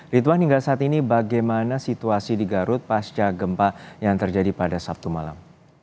ridwan hingga saat ini bagaimana situasi di garut pasca gempa yang terjadi pada sabtu malam